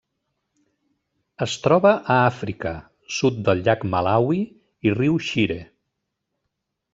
Es troba a Àfrica: sud del llac Malawi i riu Shire.